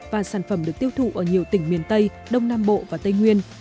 và sản phẩm được tiêu thụ ở nhiều tỉnh miền tây đông nam bộ và tây nguyên